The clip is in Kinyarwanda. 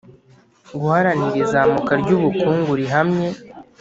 Guharanira izamuka ry ubukungu rihamye